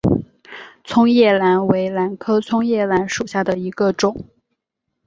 葱叶兰为兰科葱叶兰属下的一个种。